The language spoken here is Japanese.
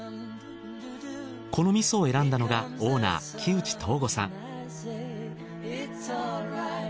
この味噌を選んだのがオーナー木内瞳吾さん。